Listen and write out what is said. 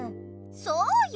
そうよ！